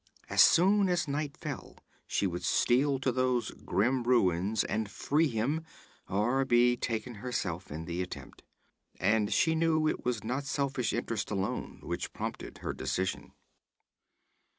As soon as night fell, she would steal to those grim ruins and free him or be taken herself in the attempt. And she knew it was not selfish interest alone which prompted her decision.